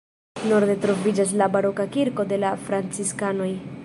Norde troviĝas la baroka kirko de la franciskanoj.